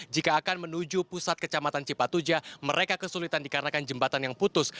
jika akan menuju pusat kecamatan cipatuja mereka kesulitan dikarenakan jembatan yang putus